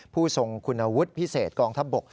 ผู้ทรงคุณวุฒิพิเศษกองทัพบก